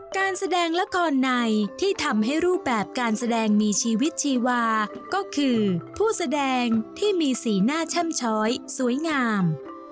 การแสดงละครในที่ทำให้รูปแบบการแสดงมีชีวิตชีวาก็คือผู้แสดงที่มีสีหน้าแช่มช้อยสวยงาม